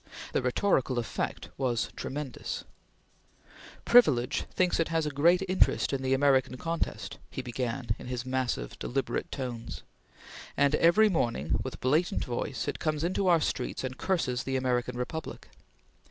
The rhetorical effect was tremendous: "Privilege thinks it has a great interest in the American contest," he began in his massive, deliberate tones; "and every morning with blatant voice, it comes into our streets and curses the American Republic.